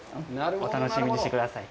お楽しみにしてください。